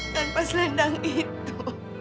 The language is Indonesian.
dengan pas selendang itu